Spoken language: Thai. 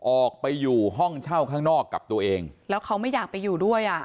ออกไปอยู่ห้องเช่าข้างนอกกับตัวเองแล้วเขาไม่อยากไปอยู่ด้วยอ่ะ